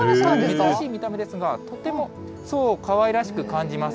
珍しい見た目ですが、とってもかわいらしく感じます。